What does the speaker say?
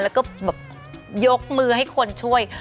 แล้วก็แบบยกมือให้คนช่วย